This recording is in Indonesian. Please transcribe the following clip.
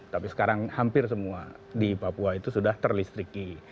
tapi sekarang hampir semua di papua itu sudah terlistriki